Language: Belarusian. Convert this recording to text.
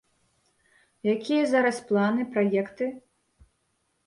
Якія зараз планы, праекты?